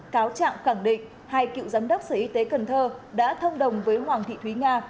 cáo trạng khẳng định hai cựu giám đốc sở y tế cần thơ đã thông đồng với hoàng thị thúy nga